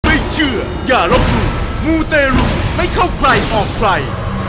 ไม่เชื่ออย่าลบหลู่มูเตรุไม่เข้าใครออกใคร